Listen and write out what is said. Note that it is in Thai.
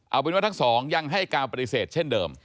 เอาเป็นว่าทั้งสองยังให้การปฏิเสธเช่นเดิม